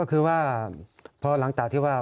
ก็คือว่าพอหลังจากที่ว่า